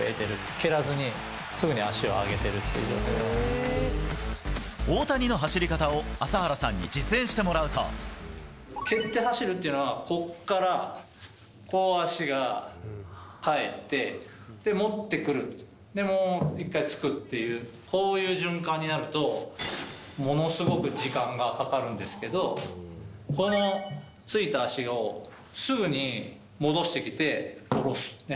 蹴らずにすぐに足を上げてるって大谷の走り方を朝原さんに実蹴って走るっていうのは、こっから、こう足がかえって、持ってくる、もう一回つくっていう、こういう循環になると、ものすごく時間がかかるんですけど、このついた足をすぐに戻してきて、下ろす。